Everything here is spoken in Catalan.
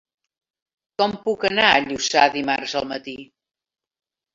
Com puc anar a Lluçà dimarts al matí?